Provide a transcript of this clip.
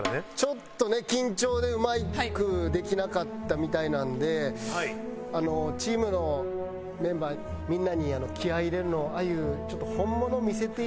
ちょっとね緊張でうまくできなかったみたいなんでチームのメンバーみんなに気合入れるのあゆちょっと本物見せていただいても。